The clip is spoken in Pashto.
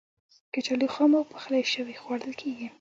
کچالو خام او پخلی شوی خوړل کېږي.